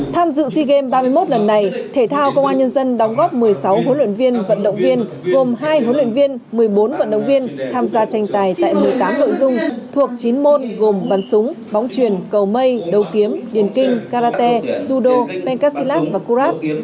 tham dự sea games ba mươi một lần này thể thao công an nhân dân đóng góp một mươi sáu huấn luyện viên vận động viên gồm hai huấn luyện viên một mươi bốn vận động viên tham gia tranh tài tại một mươi tám nội dung thuộc chín môn gồm bắn súng bóng truyền cầu mây đầu kiếm điền kinh karate judo menkasilat và kurat